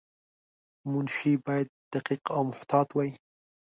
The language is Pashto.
منشي باید دقیق او محتاط وای.